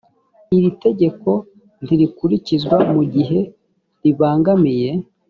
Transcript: iri tegeko ntirikurikizwa mu gihe ribangamiye